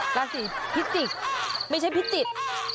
ราศีพิจิกษ์ไม่ใช่พิจิตร